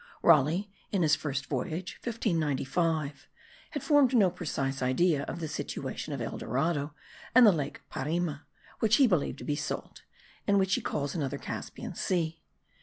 Raleigh, in his first voyage (1595), had formed no precise idea of the situation of El Dorado and the lake Parima, which he believed to be salt, and which he calls another Caspian Sea.